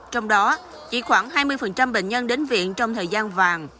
trong đó chỉ khoảng hai mươi bệnh nhân đến viện trong thời gian vàng